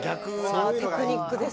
テクニックですね。